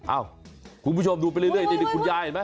คุณผู้ชมดูไปเรื่อยนี่คุณยายเห็นไหม